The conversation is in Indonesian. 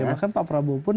ya makanya pak prabowo pun